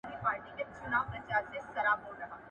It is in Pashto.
د جرګي غړو به د هیواد د عزت او وقار لپاره رښتيني مبارزه کوله.